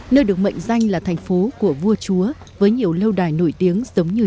nơi được mệnh danh là thành phố của vua chúa với nhiều lâu đài nổi tiếng giống như